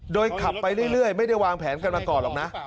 โดยขับไปเรื่อยไม่ได้วางแผนกันมาก่อนหรอกนะ